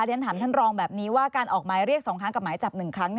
เรียนถามท่านรองแบบนี้ว่าการออกหมายเรียก๒ครั้งกับหมายจับ๑ครั้ง